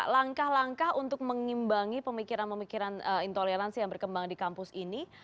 langkah langkah untuk mengimbangi pemikiran pemikiran intoleransi yang berkembang di kampus ini